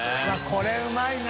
これうまいね。